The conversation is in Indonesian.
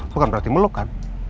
bukan berarti meluk kan